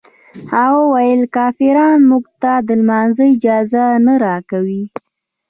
هغه ویل کافران موږ ته د لمانځه اجازه نه راکوي.